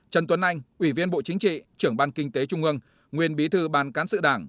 trần tuấn anh ủy viên bộ chính trị trưởng ban kinh tế trung ương nguyên bí thư ban cán sự đảng